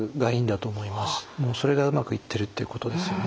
もうそれがうまくいってるっていうことですよね。